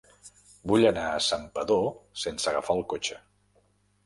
Vull anar a Santpedor sense agafar el cotxe.